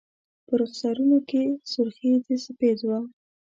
په رخسارونو کي سر خې د سپید و